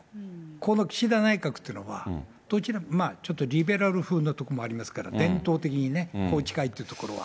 この岸田内閣というのは、ちょっとリベラル風のところもありますから、伝統的にね、宏池会っていうのは。